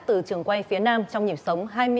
từ trường quay phía nam trong nhiệm sống hai mươi bốn h